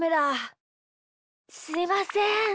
すいません。